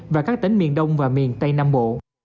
và các tỉnh miền đông và miền tây nam bộ